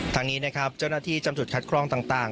ทางนี้นะครับเจ้าหน้าที่จำจุดคัดกรองต่าง